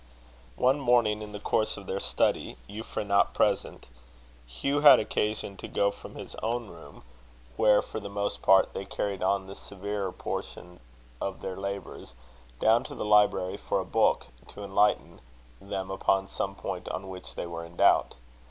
One morning, in the course of their study Euphra not present Hugh had occasion to go from his own room, where, for the most part, they carried on the severer portion of their labours, down to the library for a book, to enlighten them upon some point on which they were in doubt.